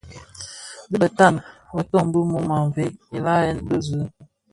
Dhi bëtan beton bi mum a veg i læham bë zi.